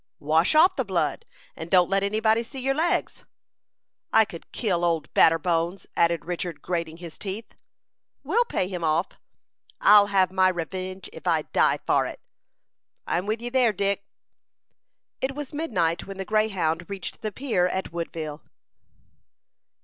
"Wash off the blood, and don't let any body see your legs." "I could kill Old Batterbones," added Richard, grating his teeth. "We'll pay him off." "I'll have my revenge, if I die for it." "I'm with you there, Dick." It was midnight when the Greyhound reached the pier at Woodville.